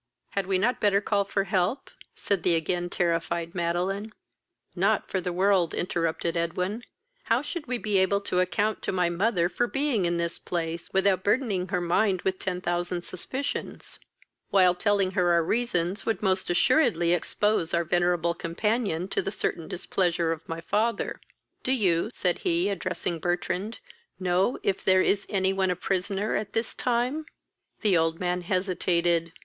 "Had we not better call for help?" said the again terrified Madeline. "Not for the world! (interrupted Edwin;) how should we be able to account to my mother for being in this place, without burthening her mind with ten thousand suspicions? while, telling her our reasons would most assuredly expose our venerable companion to the certain displeasure of my father. Do you (said he, addressing Bertrand) know if there is any one a prisoner at this time?" The old man hesitated.